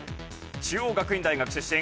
中央学院大学出身。